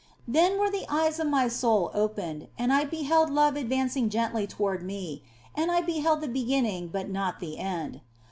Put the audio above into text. Then were the eyes of my soul opened and I beheld love advancing gently toward me, and I beheld the beginning but not the end.